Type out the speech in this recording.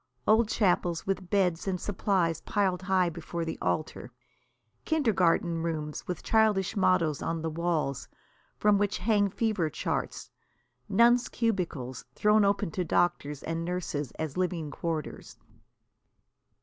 Old chapels with beds and supplies piled high before the altar; kindergarten rooms with childish mottoes on the walls, from which hang fever charts; nuns' cubicles thrown open to doctors and nurses as living quarters.